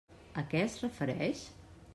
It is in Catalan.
A què es refereix?